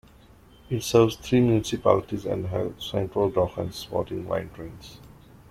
It serves three municipalities and has central dock and spotting line trains.